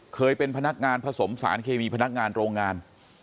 เคยเป็นพนักงานผสมสารเคมีพนักงานโรงงาน